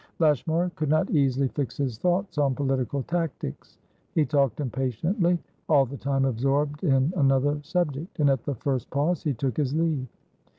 Lashmar could not easily fix his thoughts on political tactics. He talked impatiently, all the time absorbed in another subject; and at the first pause he took his leave.